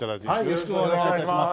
よろしくお願いします。